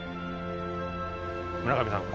村上さん